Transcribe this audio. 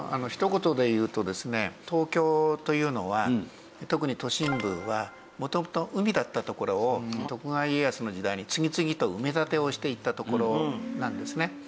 ひと言で言うとですね東京というのは特に都心部は元々海だった所を徳川家康の時代に次々と埋め立てをしていった所なんですね。